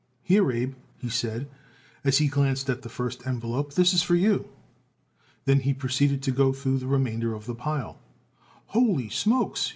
"Here, Abe," he said, as he glanced at the first envelope, "this is for you." Then he proceeded to go through the remainder of the pile. "Holy smokes!"